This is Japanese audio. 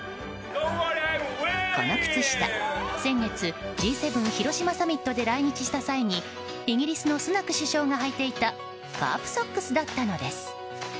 この靴下、先月Ｇ７広島サミットで来日した際にイギリスのスナク首相がはいていたカープソックスだったのです。